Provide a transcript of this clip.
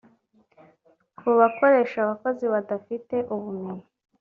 Ku bakoresha abakozi badafite ubumenyi